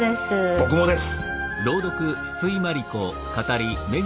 僕もです。